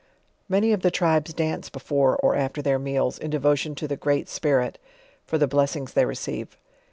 Many of the tribes dance before or after their meals, in devotion to the Great Spirit, for the blessings they receive.